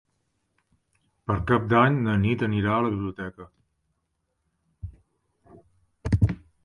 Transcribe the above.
Per Cap d'Any na Nit anirà a la biblioteca.